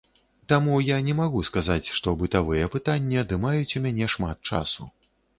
Таму я не магу сказаць, што бытавая пытанні адымаюць у мяне шмат часу.